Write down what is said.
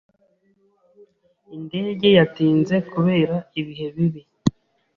Indege yatinze kubera ibihe bibi.